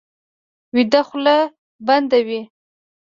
ویده خوله بنده وي